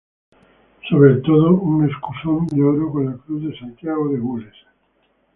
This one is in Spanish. Sobre el todo, un escusón de oro con la Cruz de Santiago de gules.